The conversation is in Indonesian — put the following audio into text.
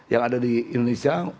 yang ada di indonesia